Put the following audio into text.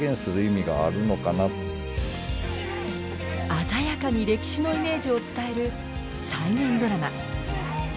鮮やかに歴史のイメージを伝える再現ドラマ。